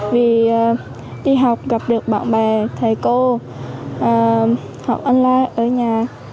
vì đi học gặp được bạn bè thầy cô học anh lai ở nhà